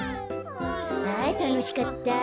あたのしかった。